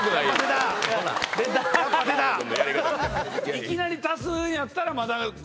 いきなり出すんやったらまだ。